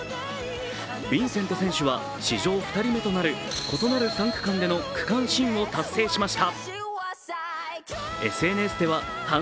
ヴィンセント選手は史上２人目となる異なる３区間での区間新を達成しました。